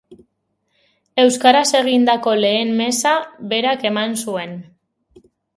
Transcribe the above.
Euskaraz egindako lehen meza berak eman zuen.